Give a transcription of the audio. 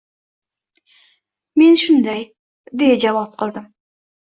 Men shunday, deya javob qildim.